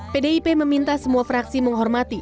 pdip meminta semua fraksi menghormati